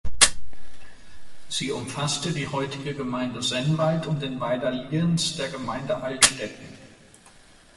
Sie umfasste die heutige Gemeinde Sennwald und den Weiler Lienz der Gemeinde Altstätten.